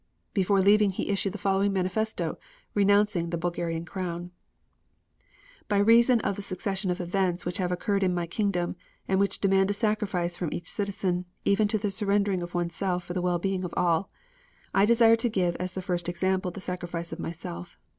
Before leaving he issued the following manifesto renouncing the Bulgarian crown: By reason of the succession of events which have occurred in my kingdom, and which demand a sacrifice from each citizen, even to the surrendering of oneself for the well being of all, I desire to give as the first example the sacrifice of myself.